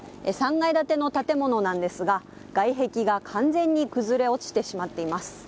３階建ての建物なんですが、外壁が完全に崩れ落ちてしまっています。